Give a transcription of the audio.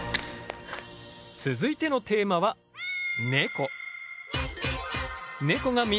続いてのテーマはネコ。